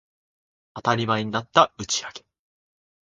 当たり前になった打ち上げ